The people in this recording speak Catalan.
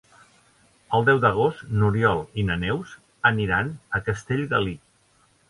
El deu d'agost n'Oriol i na Neus aniran a Castellgalí.